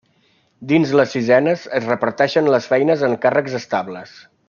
Dins les Sisenes, es reparteixen les feines en càrrecs estables.